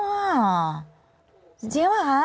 อ้าวจริงว่ะคะ